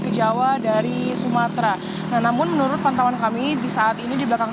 ke jawa dari sumatera namun menurut pantauan kami di saat ini di belakang